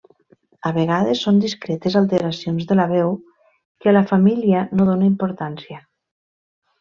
A vegades són discretes alteracions de la veu que a la família no dóna importància.